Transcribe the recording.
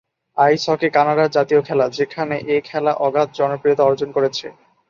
আইস hockey কানাডার জাতীয় খেলা, যেখানে এ খেলা অগাধ জনপ্রিয়তা অর্জন করেছে।